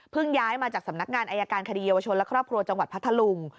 ย้ายมาจากสำนักงานอายการคดีเยาวชนและครอบครัวจังหวัดพัทธลุง